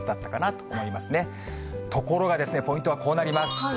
ところがですね、ポイントはこうなります。